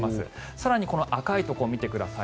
更に、この赤いところを見てください。